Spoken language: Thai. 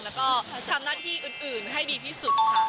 แล้วก็ทำหน้าที่อื่นให้ดีที่สุดค่ะ